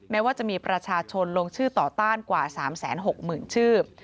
แม้ว่าจะมีประชาชนลงชื่อต่อต้านกว่า๓๖๐๐๐ชื่อ